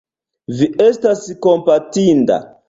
Vi estas kompatinda.